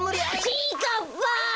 ちぃかっぱ！